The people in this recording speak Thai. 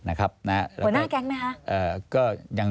หัวหน้าแก๊งไหมคะ